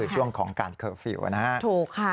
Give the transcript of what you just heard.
ใช่ค่ะถูกค่ะ